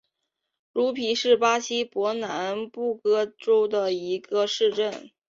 茹皮是巴西伯南布哥州的一个市镇。